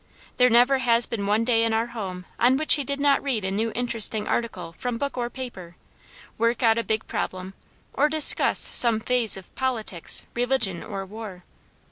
There never has been one day in our home on which he did not read a new interesting article from book or paper; work out a big problem, or discuss some phase of politics, religion, or war.